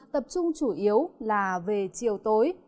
tập trung chủ yếu là về chiều tối